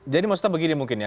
jadi maksudnya begini mungkin ya